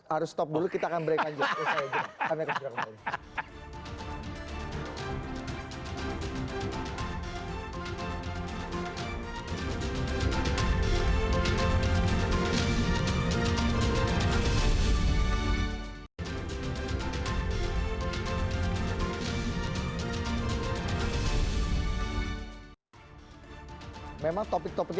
harus stop dulu kita kita akan break aja